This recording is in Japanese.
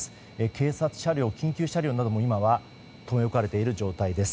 警察車両、緊急車両なども今は留め置かれている状況です。